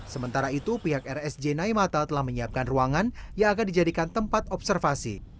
sementara itu pihak rsj naimata telah menyiapkan ruangan yang akan dijadikan tempat observasi